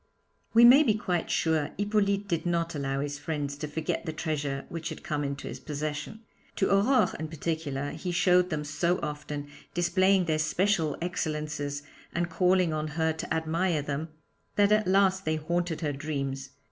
"' We may be quite sure Hippolyte did not allow his friends to forget the treasure which had come into his possession. To Aurore, in particular, he showed them so often, displaying their special excellences and calling on her to admire them, that at last they haunted her dreams.